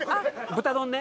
豚丼ね？